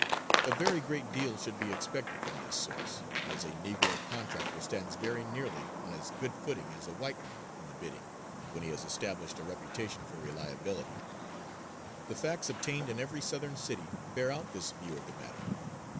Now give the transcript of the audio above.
A very great deal should be expected from this source, as a Negro contractor stands very nearly on as good footing as a white one in the bidding, when he has established a reputation for reliability. The facts obtained in every Southern city bear out this view of the matter.